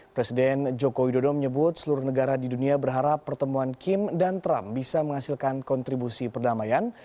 presiden joko widodo menyebut seluruh negara di dunia berharap pertemuan kim dan trump bisa menghasilkan kontribusi perdamaian